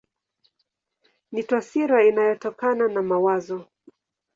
Ni taswira inayotokana na mawazo.